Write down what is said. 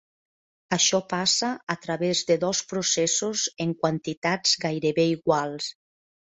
Això passa a través de dos processos en quantitats gairebé iguals.